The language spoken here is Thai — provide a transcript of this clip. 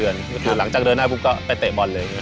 ก็เดินได้ตอนถวบสี่เดือนหลังจากเดินได้พวกก็ไปเตะบอลเลย